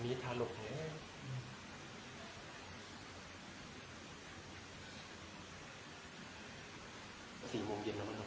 เนี่ยเป็นอันนี้คิด